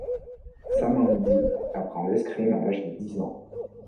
Samandi apprend l'escrime à l'âge de dix ans.